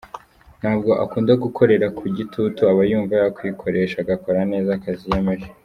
Ntabwo akunda gukorera ku gitutu aba yumva yakwikoresha agakora neza akazi yiyemeje.